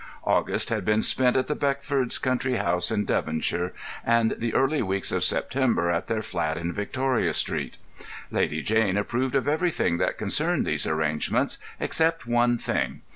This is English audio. August had been spent at the Beckfords' country house in Devonshire, and the early weeks of September at their flat in Victoria Street. Lady Jane approved of everything that concerned these arrangements, except one thing.